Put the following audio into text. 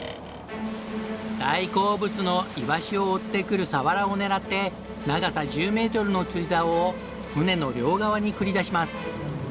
大好物のイワシを追ってくるサワラを狙って長さ１０メートルの釣りざおを船の両側に繰り出します。